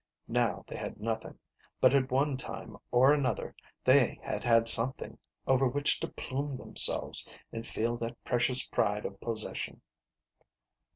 Now they had nothing, but at one time or another they had had something over which to plume them selves and feel that precious pride of possession.